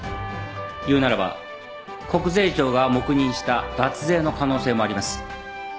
いうならば国税庁が黙認した脱税の可能性もあります。